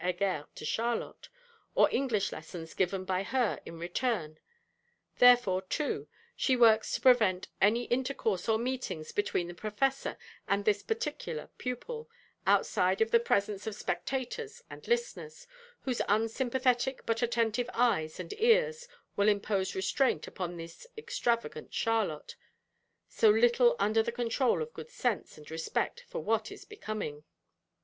Heger to Charlotte, or English lessons given by her in return; therefore too, she works to prevent any intercourse or meetings between the Professor and this particular pupil, outside of the presence of spectators and listeners, whose unsympathetic but attentive eyes and ears will impose restraint upon this extravagant Charlotte; so little under the control of good sense and respect for what is becoming.